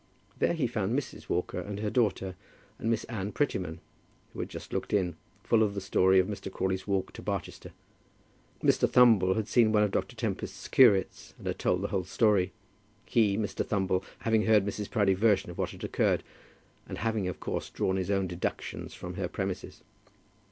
There he found Mrs. Walker and her daughter, and Miss Anne Prettyman, who had just looked in, full of the story of Mr. Crawley's walk to Barchester. Mr. Thumble had seen one of Dr. Tempest's curates, and had told the whole story he, Mr. Thumble, having heard Mrs. Proudie's version of what had occurred, and having, of course, drawn his own deductions from her premises.